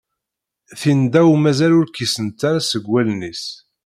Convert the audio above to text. Tindaw mazal ur kkisent ara seg wallen-is.